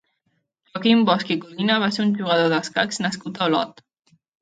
Joaquim Bosch i Codina va ser un jugador d'escacs nascut a Olot.